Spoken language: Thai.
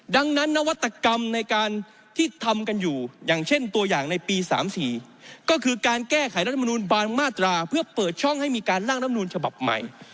ดังนั้นนวัตกรรมในการที่ทำกันอยู่อย่างเช่นตัวอย่างในปี๓๔ก็คือการแก้ไขรัฐมนูลบางมาตราเพื่อเปิดช่องให้มีการล่างลำนูลฉบับใหม่